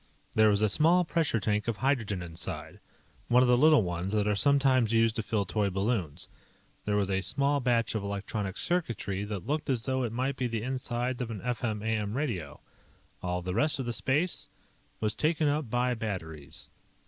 There was a small pressure tank of hydrogen inside one of the little ones that are sometimes used to fill toy balloons. There was a small batch of electronic circuitry that looked as though it might be the insides of an FM AM radio. All of the rest of the space was taken up by batteries.